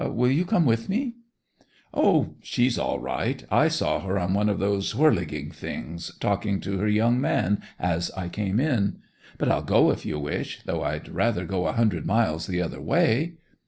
Will you come with me?' 'Oh, she's all right. I saw her on one of those whirligig things, talking to her young man as I came in. But I'll go if you wish, though I'd rather go a hundred miles the other way.